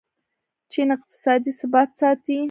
چین اقتصادي ثبات ساتي.